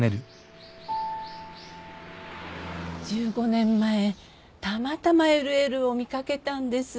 １５年前たまたまＬＬを見掛けたんです。